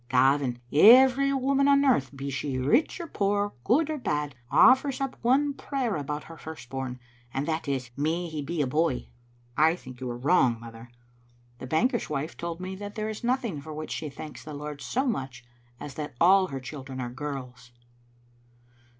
" Gavin, every woman on earth, be she rich or poor, good or bad, offers up one prayer about her firstborn, and that is, *May he be a boy!' "" I think you are wrong, mother. The banker's wife told me that there is nothing for which she thanks the Lord so much as that all her children are girls."